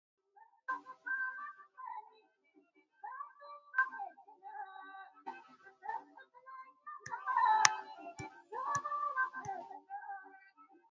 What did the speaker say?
The two cities Weimar and Apolda were not part of the district.